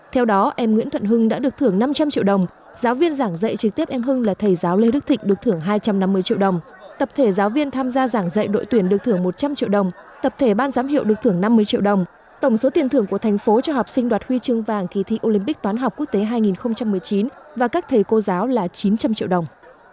theo đó em nguyễn thuận hưng đã được thưởng năm trăm linh triệu đồng giáo viên giảng dạy trực tiếp em hưng là thầy giáo lê đức thịnh được thưởng hai trăm năm mươi triệu đồng tập thể giáo viên tham gia giảng dạy đội tuyển được thưởng một trăm linh triệu đồng tập thể ban giám hiệu được thưởng năm mươi triệu đồng tổng số tiền thưởng của thành phố cho học sinh đoạt huy chương vàng kỳ thi olympic toán học quốc tế hai nghìn một mươi chín và các thầy cô giáo là chín trăm linh triệu đồng